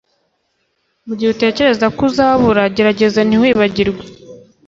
mugihe utekereza ko uzabura gerageza ntiwibagirwe